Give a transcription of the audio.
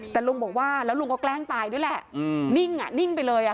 แต่ลุงบอกว่าแล้วลุงก็แกล้งตายด้วยแหละนิ่งอ่ะนิ่งไปเลย